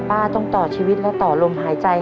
ป้าต้องต่อชีวิตและต่อลมหายใจนะครับ